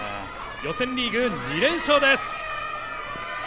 予選リーグ２連勝です。